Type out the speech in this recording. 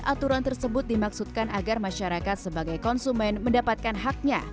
aturan tersebut dimaksudkan agar masyarakat sebagai konsumen mendapatkan haknya